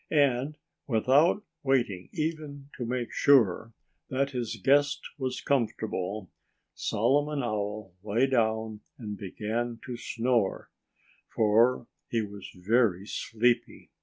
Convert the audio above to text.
And without waiting even to make sure that his guest was comfortable, Solomon Owl lay down and began to snore—for he was very sleepy.